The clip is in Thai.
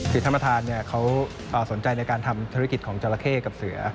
ศิษย์ธรรมธานเขาสนใจในการทำธุรกิจของจอราเค้กับเสือ